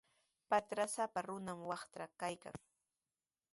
Patrasapa runami waqtatraw kaykan.